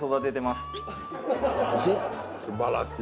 すばらしい。